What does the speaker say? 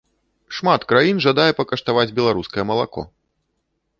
Шмат краін жадае пакаштаваць беларускае малако.